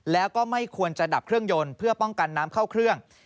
แล้วก็ไม่ควรจะดับเครื่องยนต์เพื่อป้องกันน้ำเข้าเครื่อง